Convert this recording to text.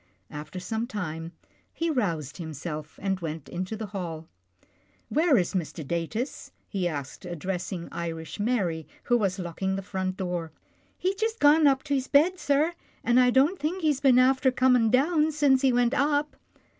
After some time, he roused himself, and went into the hall. " Where is Mr. Datus ?" he asked, addressing Irish Mary who was locking the front door. " He's jist gone up to his bed, sir, an' I don't think he's been after comin' down since he went up.'